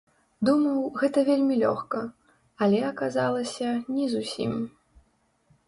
Думаў, гэта вельмі лёгка, але аказалася не зусім.